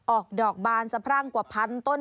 ออกดอกบานสะพรั่งกว่าพันต้น